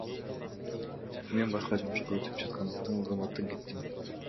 Мен башка жумушка өтүп жаткандыктан кызматтан кеттим.